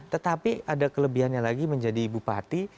tetapi ada kelebihannya lagi menjadi bupati